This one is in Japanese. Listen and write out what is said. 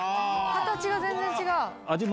形が全然違う。